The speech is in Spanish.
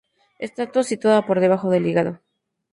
Está situada por debajo del hígado.